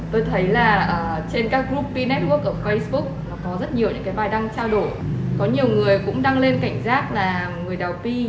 tôi thấy là trên các group pi network ở facebook có rất nhiều bài đăng trao đổi